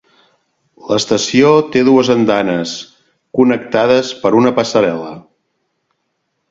L'estació té dues andanes, connectades per una passarel·la.